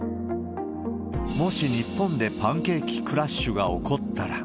もし日本でパンケーキクラッシュが起こったら。